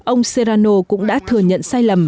ông serrano cũng đã thừa nhận sai lầm